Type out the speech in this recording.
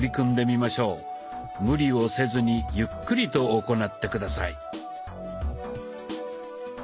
無理をせずにゆっくりと行って下さい。